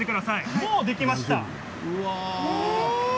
もうできました。